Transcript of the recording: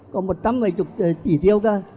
có một trăm một mươi chỉ tiêu cơ